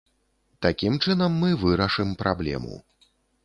Такім чынам мы вырашым праблему.